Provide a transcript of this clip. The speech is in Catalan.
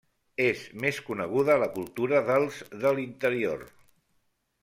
És més coneguda la cultura dels de l'interior.